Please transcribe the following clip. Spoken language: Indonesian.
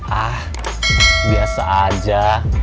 ah biasa aja